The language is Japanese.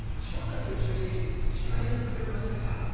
昇太と一緒に司会やってくれませんか？